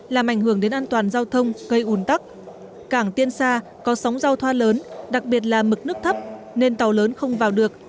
làm ảnh hưởng đến an toàn giao thông gây ủn tắc cảng tiên sa có sóng giao thoa lớn đặc biệt là mực nước thấp nên tàu lớn không vào được